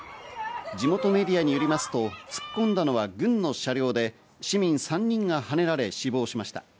地元メディアによりますと突っ込んだのは軍の車両で、市民３人がはねられ、死亡しました。